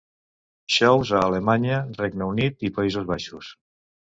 Shows a Alemanya, Regne Unit i Països Baixos.